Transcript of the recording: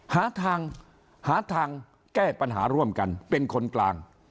หาทางหาทางแก้ปัญหาร่วมกันเป็นคนกลาง